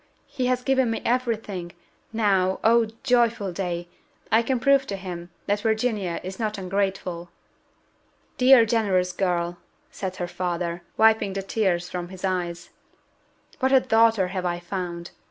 he has given me every thing. Now oh, joyful day! I can prove to him that Virginia is not ungrateful!" "Dear, generous girl," said her father, wiping the tears from his eyes, "what a daughter have I found!